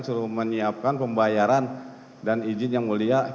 suruh menyiapkan pembayaran dan izin yang mulia